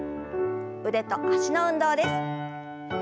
腕と脚の運動です。